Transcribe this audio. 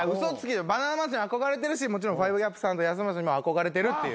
バナナマンさんに憧れてるしもちろん５ＧＡＰさんと安村さんにも憧れてるっていう。